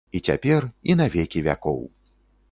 І цяпер, і на векі вякоў!